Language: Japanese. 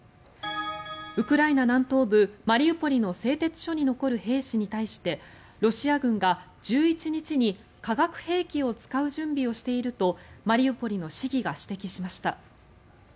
ウクライナ南東部マリウポリの製鉄所に残る兵士に対してロシア軍が１１日に化学兵器を使う準備をしているとマリウポリの市議が指摘しました。